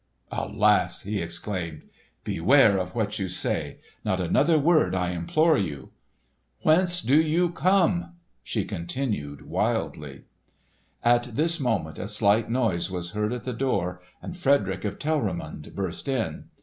"Alas," he exclaimed. "Beware of what you say! Not another word I implore you!" "Whence do you come?" she continued wildly. At this moment a slight noise was heard at the door, and Frederick of Telramund burst in.